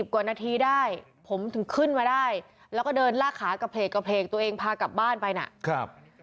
กว่านาทีได้ผมถึงขึ้นมาได้แล้วก็เดินลากขากระเพลกกระเพลกตัวเองพากลับบ้านไปนะครับ